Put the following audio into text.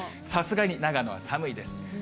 さすがに長野は寒いです。